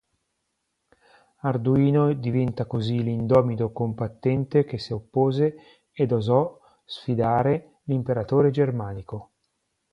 Arduino diventa così l'indomito combattente che si oppose ed osò sfidare l'imperatore germanico.